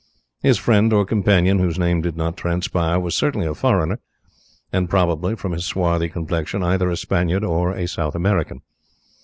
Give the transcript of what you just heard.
This friend or companion, whose name did not transpire, was certainly a foreigner, and probably from his swarthy complexion, either a Spaniard or a South American.